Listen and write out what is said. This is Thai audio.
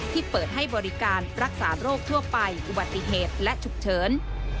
ที่เปิดให้บริการรักษาโรคทั่วไปอุบัติเหตุและฉุกเฉิน